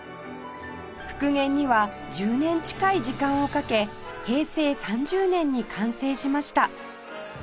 復元には１０年近い時間をかけ平成３０年に完成しました